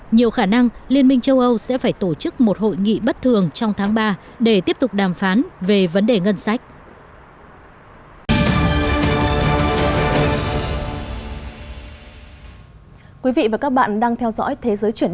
nhiều khả năng liên minh châu âu sẽ phải tổ chức một hội nghị bất thường trong tháng ba để tiếp tục đàm phán về vấn đề ngân sách